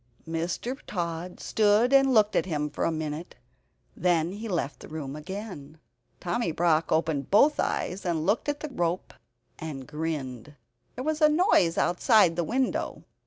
Mr. Tod stood and looked at him for a minute; then he left the room again. Tommy Brock opened both eyes, and looked at the rope and grinned. There was a noise outside the window.